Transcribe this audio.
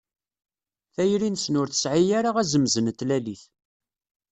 Tayri-nsen ur tesɛi ara azemz n tlalit.